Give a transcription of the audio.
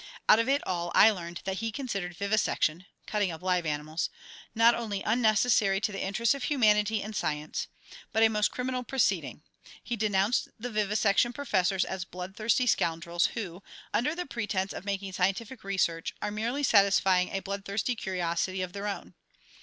Out of it all I learned that he considered vivisection (cutting up live animals) not only unnecessary to the interests of humanity and science, but a most criminal proceeding. He denounced the vivisection professors as bloodthirsty scoundrels, who, under the pretense of making scientific research, are merely satisfying a bloodthirsty curiosity of their own.